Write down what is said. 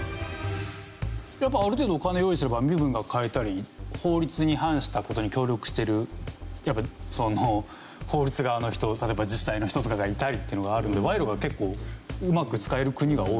やっぱある程度お金用意すれば身分が買えたり法律に反した事に協力してる法律側の人例えば自治体の人とかがいたりっていうのがあるのでワイロが結構うまく使える国が多いですよね。